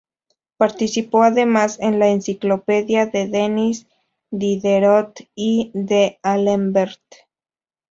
Participó además en la "Enciclopedia" de Denis Diderot y D'Alembert.